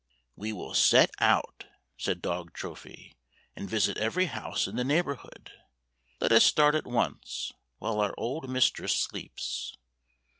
" "We will set out," said dog Trophy, " and visit every house in the neighborhood. Let us start at once, while our old mistress sleeps."